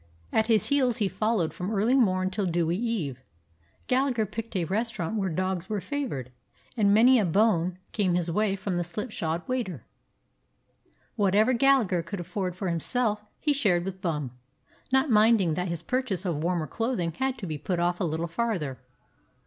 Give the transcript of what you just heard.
At his heels he followed from early morn till dewy eve. Gallagher picked a restaurant where dogs were favored, and many a bone came his way from the slipshod waiter. Whatever Gallagher could afford for himself he shared with Bum, not minding that his purchase of warmer clothing had to be put off a little farther.